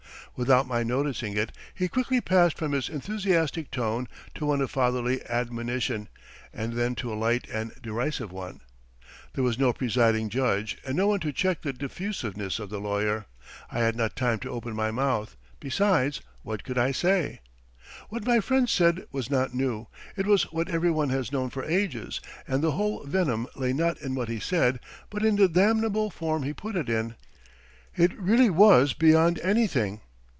"Without my noticing it, he quickly passed from his enthusiastic tone to one of fatherly admonition, and then to a light and derisive one. ... There was no presiding judge and no one to check the diffusiveness of the lawyer. I had not time to open my mouth, besides, what could I say? What my friend said was not new, it was what everyone has known for ages, and the whole venom lay not in what he said, but in the damnable form he put it in. It really was beyond anything!